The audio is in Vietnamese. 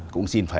cũng xin phép